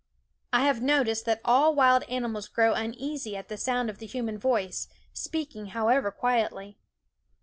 " I have noticed that all wild animals grow uneasy at the sound of the human voice, speaking however quietly.